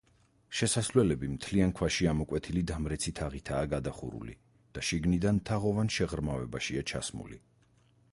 შესასვლელები მთლიან ქვაში ამოკვეთილი დამრეცი თაღითაა გადახურული და შიგნიდან თაღოვან შეღრმავებაშია ჩასმული.